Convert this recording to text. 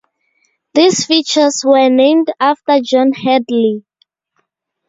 These features were named after John Hadley.